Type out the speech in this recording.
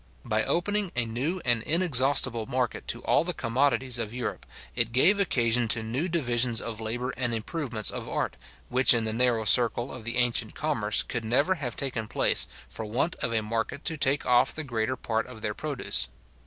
By opening a new and inexhaustible market to all the commodities of Europe, it gave occasion to new divisions of labour and improvements of art, which in the narrow circle of the ancient commerce could never have taken place, for want of a market to take off the greater part of their produce.